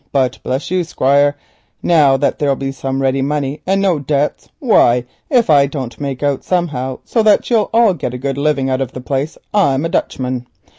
But, bless you, Squire, now that there'll be some ready money and no debts, why, if I don't make out somehow so that you all get a good living out of the place I'm a Dutchman.